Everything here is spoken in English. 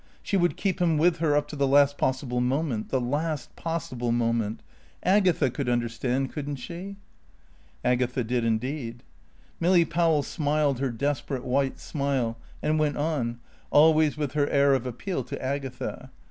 She would keep him with her up to the last possible moment the last possible moment. Agatha could understand, couldn't she? Agatha did indeed. Milly Powell smiled her desperate white smile, and went on, always with her air of appeal to Agatha.